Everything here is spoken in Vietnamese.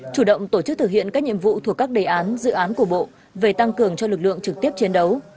chủ động tổ chức thực hiện các nhiệm vụ thuộc các đề án dự án của bộ về tăng cường cho lực lượng trực tiếp chiến đấu